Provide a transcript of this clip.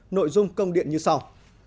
nội dung công điện như sau